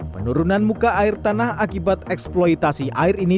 penurunan muka air tanah akibat eksploitasi air ini